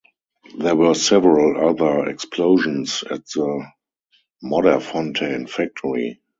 There were several other explosions at the Modderfontein factory.